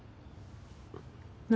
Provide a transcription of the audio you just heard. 何？